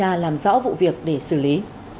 và làm rõ vụ việc để xử lý